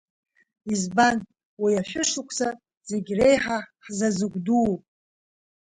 Избан, уи ашәышықәса зегьреиҳа ҳзазыгәдуу?